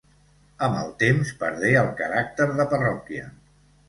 Amb el temps perdé el caràcter de parròquia.